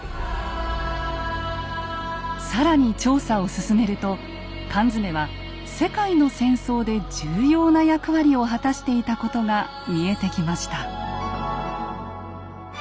更に調査を進めると缶詰は世界の戦争で重要な役割を果たしていたことが見えてきました。